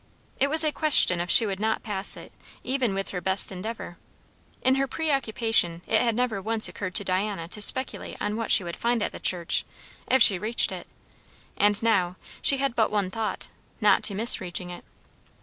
It was a question if she would not pass it even with her best endeavour. In her preoccupation it had never once occurred to Diana to speculate on what she would find at the church, if she reached it; and now she had but one thought, not to miss reaching it.